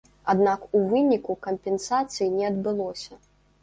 Аднак у выніку кампенсацый не адбылося.